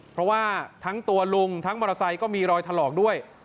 เพราะว่าทั้งตัวลุงทั้งมอเตอร์ไซค์ก็มีรอยถลอกด้วย